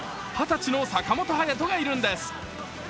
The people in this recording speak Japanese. ２０歳の坂本勇人がいるんです。